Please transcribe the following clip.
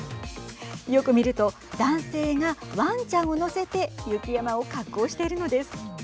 よく見ると男性がわんちゃんを乗せて雪山を滑降しているのです。